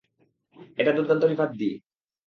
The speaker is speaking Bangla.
এটা দুর্দান্ত রিফাত দ্বি।